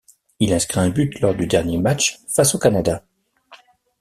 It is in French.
Il inscrit un but lors du dernier match face au Canada.